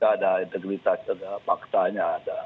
tidak ada integritas tidak ada paksanya